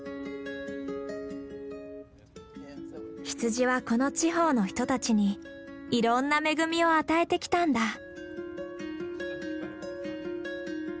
羊はこの地方の人たちにいろんな恵みを与えてきたんだ。